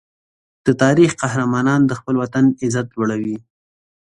د تاریخ قهرمانان د خپل وطن عزت لوړوي.